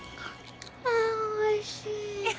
ああおいしい。